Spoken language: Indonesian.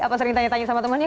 apa sering ditanya sama temannya